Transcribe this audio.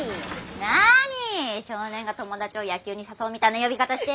なに少年が友達を野球に誘うみたいな呼び方して。